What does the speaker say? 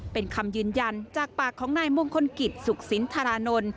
เป็นคำยืนยันจากปากของนายมงคลกิจสุขสินธารานนท์